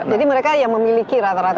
mereka yang memiliki rata rata